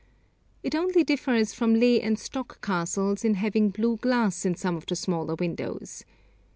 It only differs from Leh and Stok castles in having blue glass in some of the smaller windows.